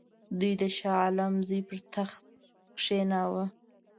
دوی د شاه عالم زوی پر تخت کښېناوه.